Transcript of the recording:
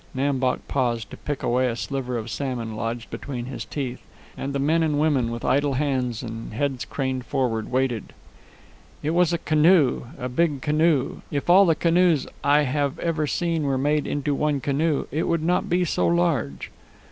Nam Bok paused to pick away a sliver of salmon lodged between his teeth, and the men and women, with idle hands and heads craned forward, waited. "It was a canoe, a big canoe. If all the canoes I have ever seen were made into one canoe, it would not be so large."